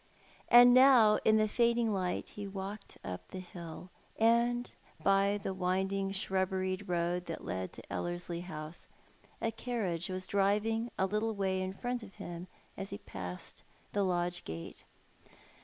And now in the fading light he walked up the hill, and by the winding shrubberied road that led to Ellerslie House. A carriage was driving a little way in front of him as he passed the lodge gate.